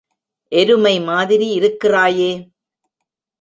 எருமை மாதிரி இருக்கிறாயே.